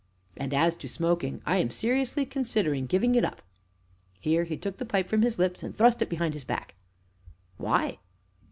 And, as to smoking, I am seriously considering giving it up." Here he took the pipe from his lips and thrust it behind his back. "Why?"